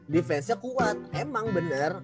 defense nya kuat emang bener